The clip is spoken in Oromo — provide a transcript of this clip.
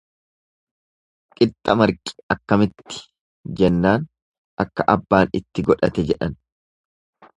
Qixxa marqi akkamitti? jennaan akka abbaan itti godhate jedhan.